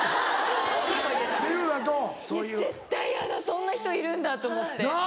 そんな人いるんだと思って。